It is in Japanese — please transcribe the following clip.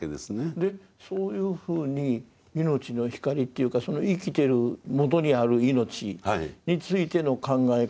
そういうふうに命の光というか生きてる元にある命についての考え方